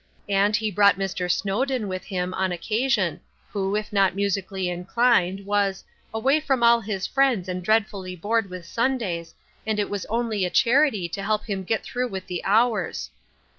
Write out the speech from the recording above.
And he brought Mr. Snowden with him on occasion, who, if not musically in clined, was "away from all his friends and dread fully bored with Sundays, and it was only a charity to help him get through with the hours."